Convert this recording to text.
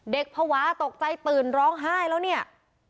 ภาวะตกใจตื่นร้องไห้แล้วเนี่ย